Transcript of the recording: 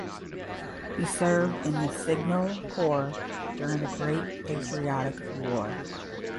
He served in the signal corps during the Great Patriotic War.